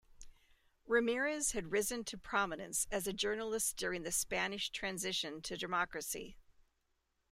Ramirez had risen to prominence as a journalist during the Spanish transition to democracy.